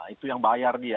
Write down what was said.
itu yang bayar dia